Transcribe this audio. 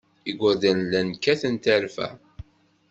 Igerdan llan kkaten tarfa.